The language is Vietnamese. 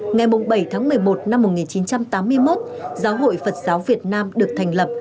ngày bảy tháng một mươi một năm một nghìn chín trăm tám mươi một giáo hội phật giáo việt nam được thành lập